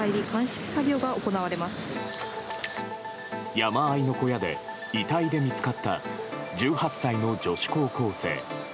山あいの小屋で遺体で見つかった１８歳の女子高校生。